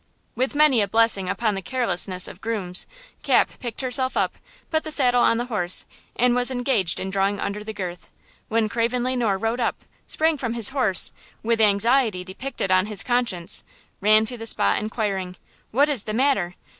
With many a blessing upon the carelessness of grooms, Cap picked herself up, put the saddle on the horse, and was engaged in drawing under the girth when Craven Le Noir rode up, sprang from his horse and, with anxiety depicted on his countenance, ran to the spot inquiring: "What is the matter?